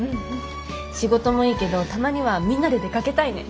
仕事もいいけどたまにはみんなで出かけたいね。